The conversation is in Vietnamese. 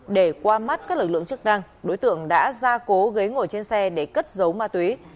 để qua mắt các lực lượng chức năng đối tượng đã ra cố ghế ngồi trên xe để cất giấu ma túy